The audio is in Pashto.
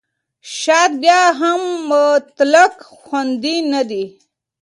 شات بیا هم مطلق خوندي نه دی.